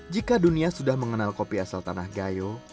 jika dunia sudah mengenal kopi asal tanah gayo